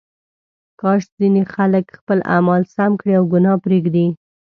کاش ځینې خلک خپل اعمال سم کړي او ګناه پرېږدي.